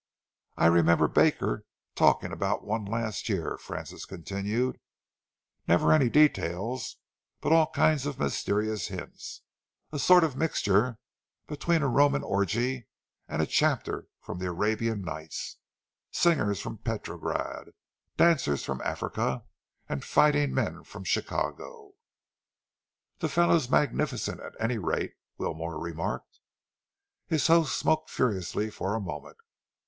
"I remember Baker talking about one last year," Francis continued, "never any details, but all kinds of mysterious hints a sort of mixture between a Roman orgy and a chapter from the 'Arabian Nights' singers from Petrograd, dancers from Africa and fighting men from Chicago." "The fellow's magnificent, at any rate," Wilmore remarked. His host smoked furiously for a moment.